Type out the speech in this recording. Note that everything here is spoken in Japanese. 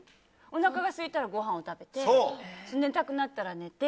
おなかがすいたらごはんを食べて寝たくなったら寝て。